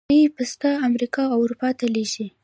دوی پسته امریکا او اروپا ته لیږي.